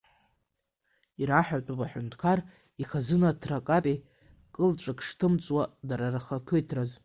Ираҳәатәуп аҳәынҭқар ихазынаҭра капеи кылҵәак шҭымҵуа дара рхақәиҭраз.